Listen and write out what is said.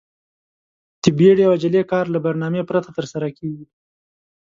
د بيړې او عجلې کار له برنامې پرته ترسره کېږي.